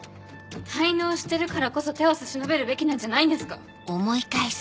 滞納してるからこそ手を差し伸べるべきなんじゃないんですか。